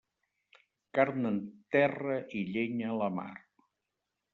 Carn en terra i llenya a la mar.